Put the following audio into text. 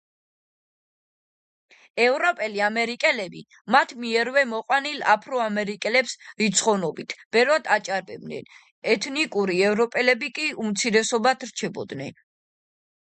ევროპელი ამერიკელები მათ მიერვე მოყვანილ აფრო-ამერიკელებს რიცხოვნობით ბევრად აჭარბებდნენ, ეთნიკური ევროპელები კი უმცირესობად რჩებოდნენ.